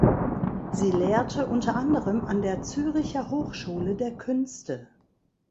Sie lehrte unter anderem an der Züricher Hochschule der Künste.